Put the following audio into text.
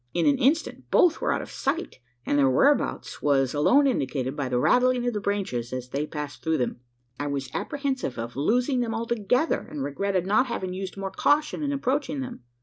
In an instant, both were out of sight; and their whereabouts was alone indicated by the rattling of the branches as they passed through them. I was apprehensive of losing them altogether; and regretted not having used more caution in approaching them.